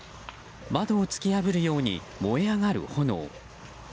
窓を突き破るように燃え上がる炎。